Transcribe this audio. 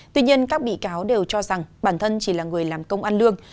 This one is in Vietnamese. tuy nhiên các bị cáo đều cho rằng bản thân chỉ là người làm công ăn lương